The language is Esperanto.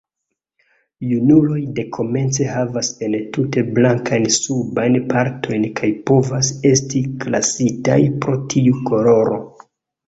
Junuloj dekomence havas entute blankajn subajn partojn kaj povas esti klasitaj pro tiu koloro.